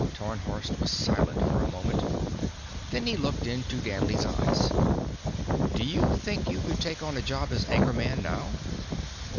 Tarnhorst was silent for a moment, then he looked into Danley's eyes. "Do you think you could take on a job as anchor man now?"